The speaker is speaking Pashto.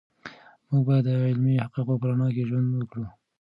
موږ باید د علمي حقایقو په رڼا کې ژوند وکړو.